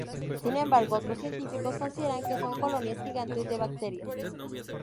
Sin embargo, otros científicos consideran que son colonias gigantes de bacterias.